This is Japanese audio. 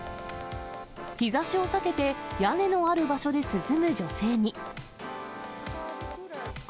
日ざしを避けて、屋根のある場所で涼む女性に。